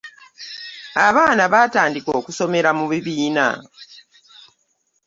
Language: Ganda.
Abaana baatandika okusomera mu bibiina .